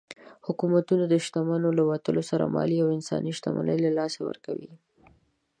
حکومتونه د شتمنو له وتلو سره مالي او انساني شتمني له لاسه ورکوي.